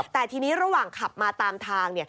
แต่ทีนี้ระหว่างขับมาตามทาง